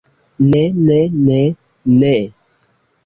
Ne ne ne. Ne!